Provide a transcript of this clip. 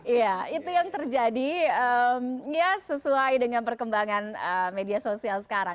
iya itu yang terjadi ya sesuai dengan perkembangan media sosial sekarang